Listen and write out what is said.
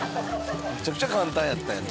めちゃくちゃ簡単やったやん。